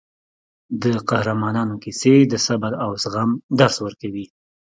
د قهرمانانو کیسې د صبر او زغم درس ورکوي.